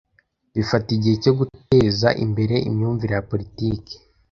Bifata igihe cyo guteza imbere imyumvire ya politiki.